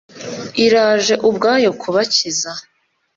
Iraje ubwayo kubakiza.»